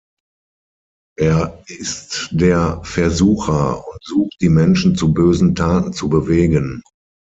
Er ist der „Versucher“ und sucht die Menschen zu bösen Taten zu bewegen.